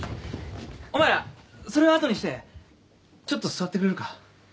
お前らそれは後にしてちょっと座ってくれるか。